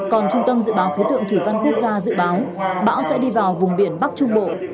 còn trung tâm dự báo khí tượng thủy văn quốc gia dự báo bão sẽ đi vào vùng biển bắc trung bộ